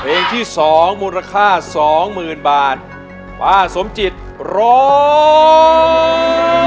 ที่สองมูลค่าสองหมื่นบาทป้าสมจิตร้อง